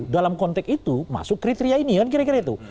dalam konteks itu masuk kriteria ini kan kira kira itu